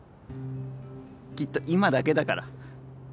きっと今だけだから